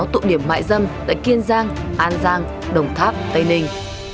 bảy mươi sáu tụ điểm mại dâm tại kiên giang an giang đồng tháp tây ninh